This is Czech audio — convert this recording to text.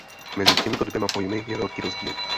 Mezi těmito dvěma pojmy je velký rozdíl.